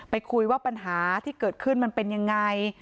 คุยว่าปัญหาที่เกิดขึ้นมันเป็นยังไง